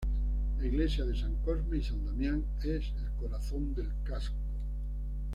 La iglesia de San Cosme y San Damián es el corazón del casco.